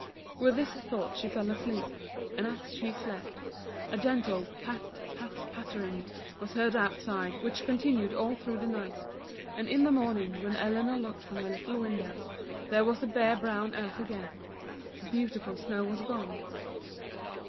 With this thought she fell asleep. And as she slept, a gentle "pat pat pattering" was heard out side, which continued all through the night, and in the morning when Eleanor looked from her little window, there was the bare brown earth again, — the beautiful snow was gone.